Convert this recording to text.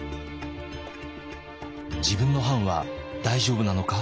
「自分の藩は大丈夫なのか？」。